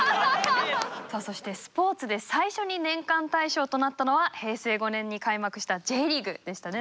そしてスポーツで最初に年間大賞となったのは平成５年に開幕した「Ｊリーグ」でしたね